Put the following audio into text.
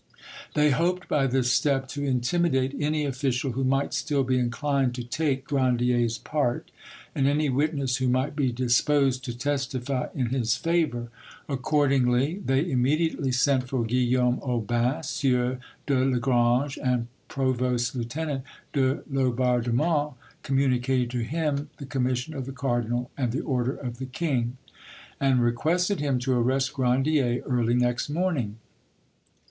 They hoped by this step to intimidate any official who might still be inclined to take Grandier's part, and any witness who might be disposed to testify in his favour. Accordingly, they immediately sent for Guillaume Aubin, Sieur de Lagrange and provost's lieutenant. De Laubardemont communicated to him the commission of the cardinal and the order of the king, and requested him to arrest Grandier early next morning.